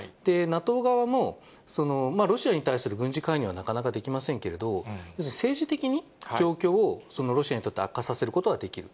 ＮＡＴＯ側も、ロシアに対する軍事介入はなかなかできませんけれど、要するに政治的に状況を、ロシアにとって悪化させることはできる。